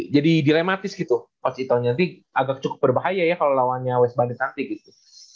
jadi dilematis gitu coach ito nanti agak cukup berbahaya ya kalau lawannya wes bandit nanti gitu